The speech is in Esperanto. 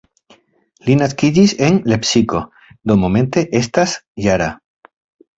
Li naskiĝis en Lepsiko, do momente estas -jara.